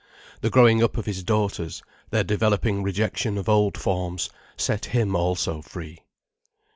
The growing up of his daughters, their developing rejection of old forms set him also free.